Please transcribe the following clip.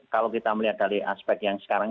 kalau kita melihat dari aspek yang sekarang